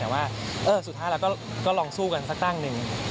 แต่ว่าสุดท้ายเราก็ลองสู้กันสักตั้งหนึ่ง